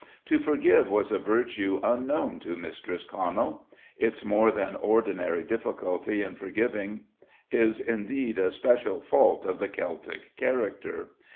To forgive was a virtue unknown to Mistress Conal. Its more than ordinary difficulty in forgiving is indeed a special fault of the Celtic character.